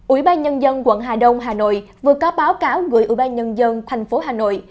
ủy ban nhân dân quận hà đông hà nội vừa có báo cáo gửi ủy ban nhân dân tp hà nội